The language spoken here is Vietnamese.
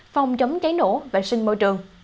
phòng chống cháy nổ vệ sinh môi trường